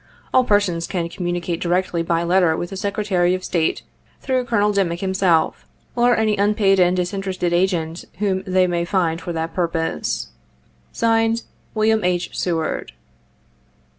All persons can communicate directly by letter with the Secretary of State through Colonel Dimick himself, or any unpaid and disinterested agent whom they may find for that purpose. [Signed] "WM. H. SEWARD."